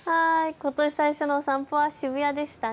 ことし最初のお散歩は渋谷でしたね。